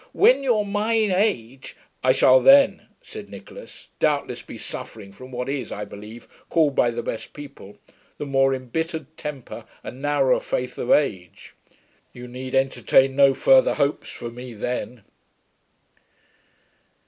'When you're my age....' 'I shall then,' said Nicholas, 'doubtless be suffering from what is, I believe, called by the best people 'the more embittered temper and narrower faith of age.' You need entertain no further hopes for me then.'